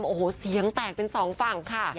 โอ้โหเสียงแตกเป็นสองฝั่งค่ะ